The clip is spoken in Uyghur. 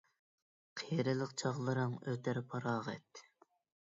قېرىلىق چاغلىرىڭ ئۆتەر پاراغەت